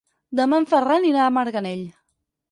Demà en Ferran irà a Marganell.